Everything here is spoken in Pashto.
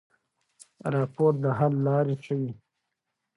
راپور د حل لارې ښيي.